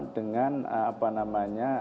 dengan apa namanya